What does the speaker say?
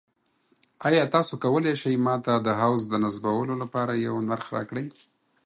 ایا تاسو کولی شئ ما ته د حوض د نصبولو لپاره یو نرخ راکړئ؟